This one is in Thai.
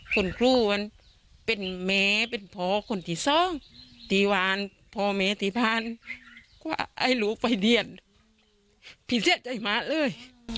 หรือว่าพี่เป็นกรูประจำนิเศษ